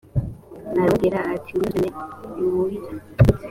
aramubwira ati ngwino dusubirane imuhira